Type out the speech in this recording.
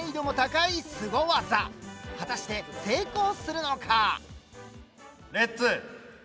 果たして成功するのか？